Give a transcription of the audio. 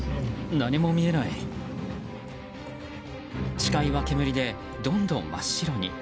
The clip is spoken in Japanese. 視界は、煙でどんどん真っ白に。